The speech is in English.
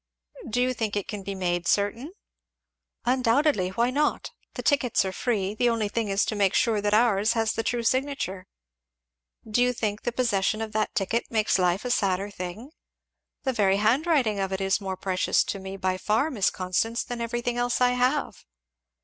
"Do you think it can be made certain?" "Undoubtedly! why not? the tickets are free the only thing is to make sure that ours has the true signature. Do you think the possession of that ticket makes life a sadder thing? The very handwriting of it is more precious to me, by far, Miss Constance, than everything else I have."